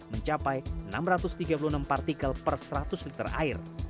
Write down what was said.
mencapai enam ratus tiga puluh enam partikel per seratus liter air